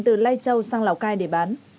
từ lai châu sang lào cai để bán